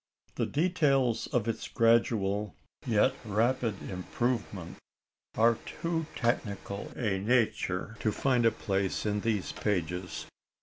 The details of its gradual yet rapid improvement are of too technical a nature to find a place in these pages.